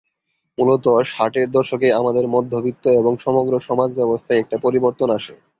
মূলত ষাটের দশকে আমাদের মধ্যবিত্ত এবং সমগ্র সমাজব্যবস্থায় একটা পরিবর্তন আসে।